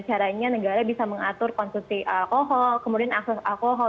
caranya negara bisa mengatur konsumsi alkohol kemudian akses alkohol